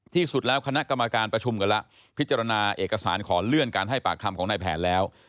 ที่สุดแล้วคณะกรรมการประชุมกันแล้วพิจารณาเอกสารขอเลื่อนการให้ปากคำของนายแผนแล้ว